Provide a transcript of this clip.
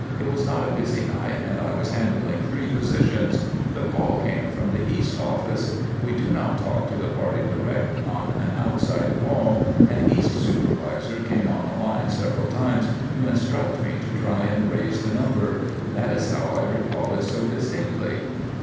"It was not a busy night and I was handling three positions. The call came from the east office. We do not talk to the party direct on an outside call, and east supervisor came on the line several times to instruct me to try and raise the number. That is how I recall it so distinctly."